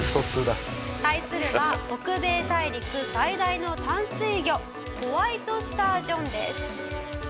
対するは北米大陸最大の淡水魚ホワイトスタージョンです。